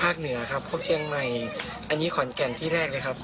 เหนือครับพบเชียงใหม่อันนี้ขอนแก่นที่แรกเลยครับ